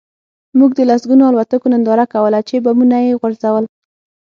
موږ د لسګونو الوتکو ننداره کوله چې بمونه یې غورځول